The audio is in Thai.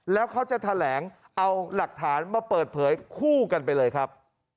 แล้วเขาจะแถลงเอาหลักฐานมาเปิดเผยคู่กันไปเลยครับ